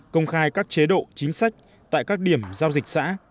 công khai các chế độ chính sách tại các điểm giao dịch xã